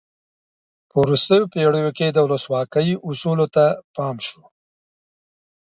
په وروستیو پیړیو کې د ولسواکۍ اصولو ته پام شو.